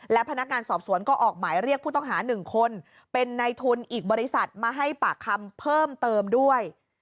และพนักงานสอบสวนก็ออกหมายเรียกผู้ต้องหา๑คนเป็นในทุนอีกบริษัทมาให้ปากคำเพิ่มเติมด้วย